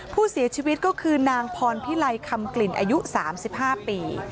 ผู้เสียชีวิตก็คือนางพรพิไลคำกลิ่นอายุ๓๕ปี